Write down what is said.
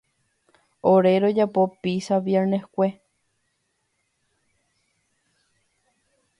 Ore rojapo pizza vierneskue.